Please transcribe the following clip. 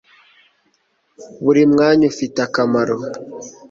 Buri mwanya ufite akamaro.